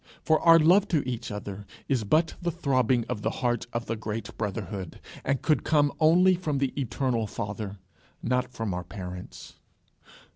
For our love to each other is but the throbbing of the heart of the great brotherhood, and could come only from the eternal Father, not from our parents.